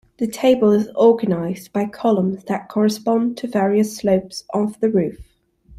The table is organized by columns that correspond to various slopes of the roof.